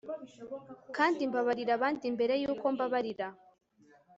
kandi mbabarira abandi mbere yuko mbabarira